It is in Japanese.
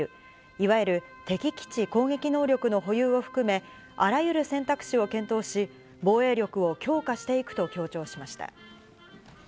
いわゆる敵基地攻撃能力の保有を含め、あらゆる選択肢を検討し、防衛力を強化していくと強調しました。